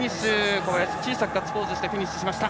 小林、小さくガッツポーズしてフィニッシュしました。